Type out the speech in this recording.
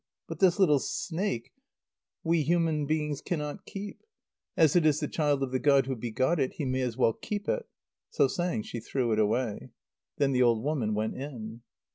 But this little snake we human beings cannot keep. As it is the child of the god who begot it, he may as well keep it." So saying, she threw it away. Then the old woman went in.